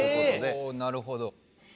おなるほど。